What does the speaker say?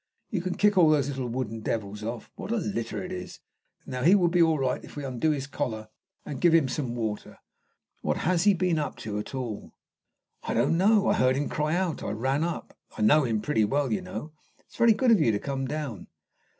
Can you kick all those little wooden devils off? What a litter it is! Now he will be all right if we undo his collar and give him some water. What has he been up to at all?" "I don't know. I heard him cry out. I ran up. I know him pretty well, you know. It is very good of you to come down."